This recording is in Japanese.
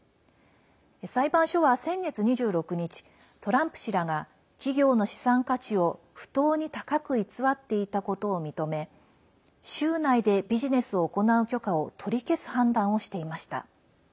裁判所は先月２６日トランプ氏らが企業の資産価値を不当に高く偽っていたことを認め州内でビジネスを行う許可を取り消す判断をしていました。